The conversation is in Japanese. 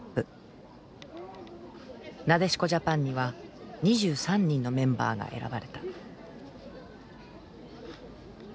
なでしこジャパンには２３人のメンバーが選ばれた。